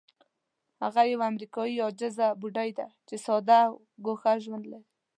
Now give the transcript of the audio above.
هغه یوه امریکایي عاجزه بوډۍ ده چې ساده او ګوښه ژوند لري.